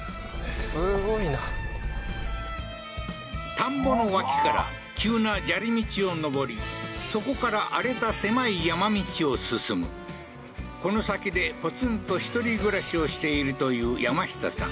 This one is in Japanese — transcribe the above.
田んぼの脇から急な砂利道を上りそこから荒れた狭い山道を進むこの先でポツンと１人暮らしをしているという山下さん